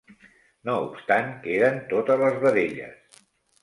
No obstant, queden totes les vedelles.